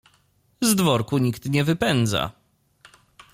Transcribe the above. "Z dworku nikt nie wypędza."